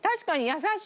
優しい。